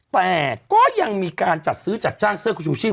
แต่ก็ยังมีการจัดซื้อจัดจ้างเสื้อคุณชูชีพ